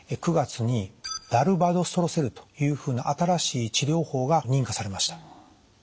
９月にダルバドストロセルというふうな新しい治療法が認可されました。